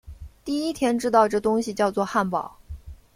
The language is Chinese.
第一天知道这东西叫作汉堡